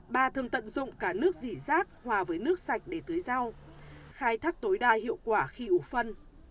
bà thường tận dụng cả nước dỉ rác hòa với nước sạch để tưới rau khai thác tối đa hiệu quả khi ủ phân